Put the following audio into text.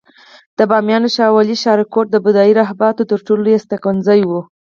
د بامیانو شاولې ښارګوټی د بودایي راهبانو تر ټولو لوی استوګنځای و